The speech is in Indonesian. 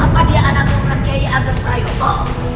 apa dia anakmu merenggaya agarprayoto